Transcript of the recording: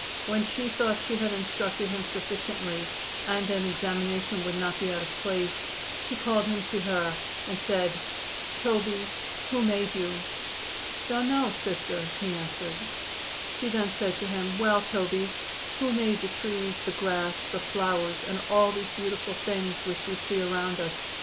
When she thought she had instructed him sufficiently and an examination would not be out of place, she called him to her and said: "Toby, who made you?" "Dun no, Sister," he answered. She then said to him: "Well, Toby, who made the trees, the grass, the flowers and all these beautiful things which we see around us?"